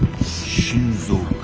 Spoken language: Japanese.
心臓か。